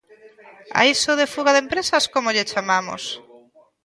A iso de fuga de empresas ¿como lle chamamos?